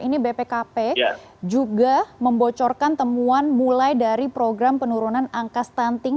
ini bpkp juga membocorkan temuan mulai dari program penurunan angka stunting